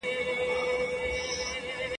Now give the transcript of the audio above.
هره مسرۍ له مین توبه خو چي نه تېرېدای ..